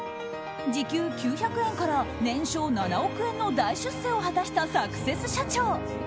時給９００円から年商７億円の大出世を果たしたサクセス社長。